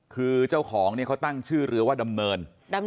คือเจ้าของเนี่ยเขาตั้งชื่อเรือว่าดำเนิน